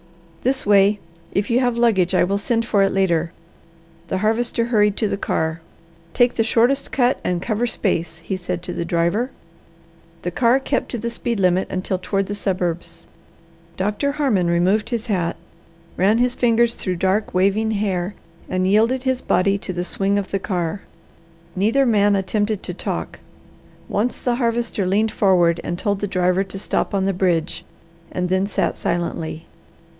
"This way! If you have luggage, I will send for it later." The Harvester hurried to the car. "Take the shortest cut and cover space," he said to the driver. The car kept to the speed limit until toward the suburbs. Doctor Harmon removed his hat, ran his fingers through dark waving hair and yielded his body to the swing of the car. Neither man attempted to talk. Once the Harvester leaned forward and told the driver to stop on the bridge, and then sat silently.